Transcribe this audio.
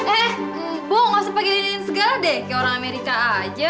eh bu gak usah pagininin segala deh kayak orang amerika aja